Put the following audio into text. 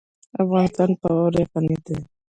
افغانستان په واوره غني دی.